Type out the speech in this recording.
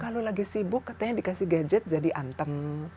kalau lagi sibuk katanya dikasih gadget jadi anteng